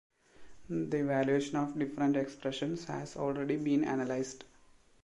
The evaluation of different expressions has already been analysed.